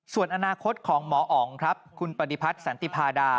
ส่วนอนาคตของหมออ๋องครับคุณปฏิพัฒน์สันติพาดา